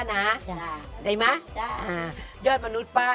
หนึ่งสองซ้ำยาดมนุษย์ป้า